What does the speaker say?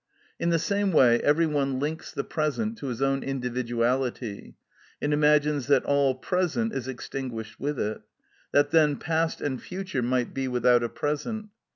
In the same way every one links the present to his own individuality, and imagines that all present is extinguished with it; that then past and future might be without a present.